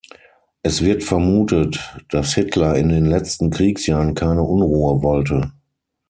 Es wird vermutet, dass Hitler in den letzten Kriegsjahren keine Unruhe wollte.